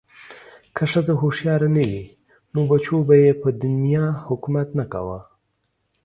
که ښځه هوښیاره نه وی نو بچو به ېې په دنیا حکومت نه کوه